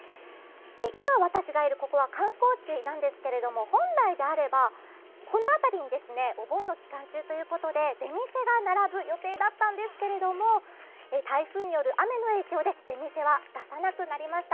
今、私がいるここは観光地なんですけれども本来であればこの辺りにお盆の期間中ということで出店が並ぶ予定だったんですが、台風による雨の影響で出店は出さなくなりました。